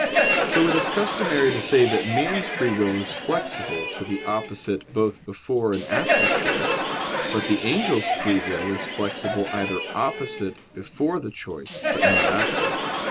So it is customary to say that man's free will is flexible to the opposite both before and after choice; but the angel's free will is flexible either opposite before the choice, but not after.